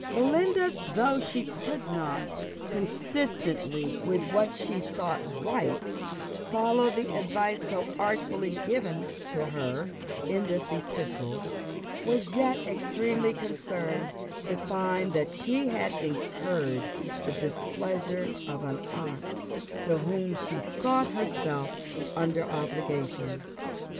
Belinda, though she could not, consistently with what she thought right, follow the advice so artfully given to her in this epistle, was yet extremely concerned to find that she had incurred the displeasure of an aunt to whom she thought herself under obligations.